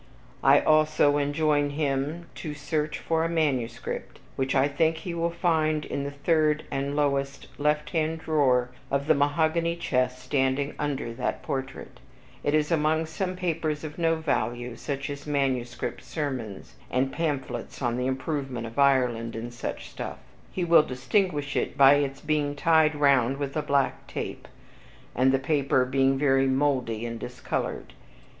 I also enjoin him to search for a manuscript, which I think he will find in the third and lowest left hand drawer of the mahogany chest standing under that portrait, it is among some papers of no value, such as manuscript sermons, and pamphlets on the improvement of Ireland, and such stuff; he will distinguish it by its being tied round with a black tape, and the paper being very moldy and discolored.